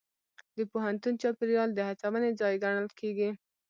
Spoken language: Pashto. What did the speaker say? د پوهنتون چاپېریال د هڅونې ځای ګڼل کېږي.